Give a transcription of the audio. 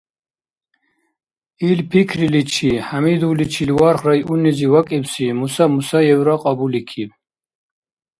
Ил пикриличи Хӏямидовличил варх районнизи вакӏибси Муса Мусаевра кьабуликиб.